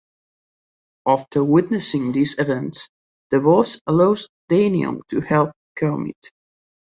After witnessing these events, the Boss allows Daniel to help Kermit.